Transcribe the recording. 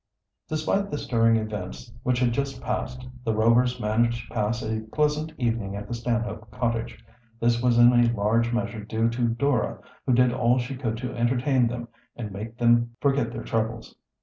Despite the stirring events which had just passed the Rovers managed to pass a pleasant evening at the Stanhope cottage. This was in a large measure due to Dora, who did all she could to entertain them and make them forget their troubles.